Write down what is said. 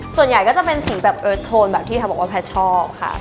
ส่วนใหญ่ก็จะเป็นสีแบบเอิร์ทโทนแบบที่เขาบอกว่าแพทย์ชอบค่ะ